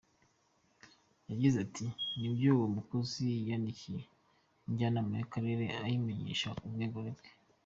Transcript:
Yagize ati “Nibyo uwo mukozi yandikiye Njyanama y’Akarere ayimenyesha ubwegure bwe.